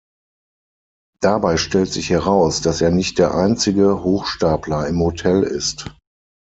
Dabei stellt sich heraus, dass er nicht der einzige Hochstapler im Hotel ist.